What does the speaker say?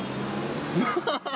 ハハハ！